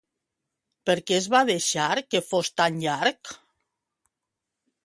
Per què es va deixar que fos tan llarg?